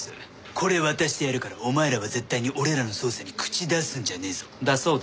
これ渡してやるからお前らは絶対に俺らの捜査に口出すんじゃねえぞだそうです。